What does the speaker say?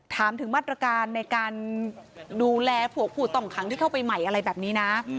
ถามถึงมาตรการในการดูแลพวกผู้ต้องขังที่เข้าไปใหม่อะไรแบบนี้นะ